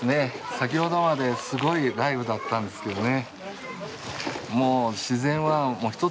先ほどまですごい雷雨だったんですけどね。